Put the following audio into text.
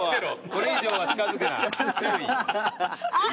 これ以上は近づくな。